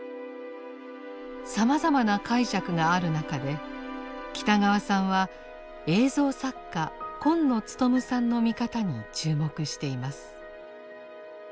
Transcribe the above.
さまざまな解釈がある中で北川さんは映像作家今野勉さんの見方に注目しています。